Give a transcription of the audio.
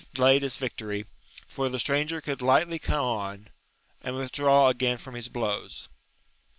layed his victory, for the stranger could lightly come on, and withdraw again from his blows.